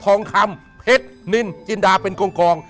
ทรงคำเพชต์นินกินดาเป็นกงกอง